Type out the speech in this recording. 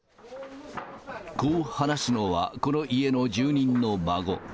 こう話すのは、この家の住人の孫。